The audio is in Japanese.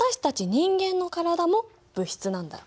人間の体も物質なんだよ。